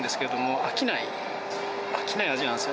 飽きない味なんすよ。